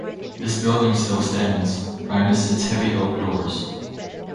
This building still stands, minus its heavy oak doors.